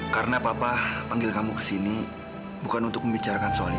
karena papa panggil kamu ke sini bukan untuk membicarakan soal ini